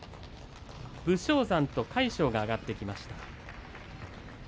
武将山と魁勝が上がってきました。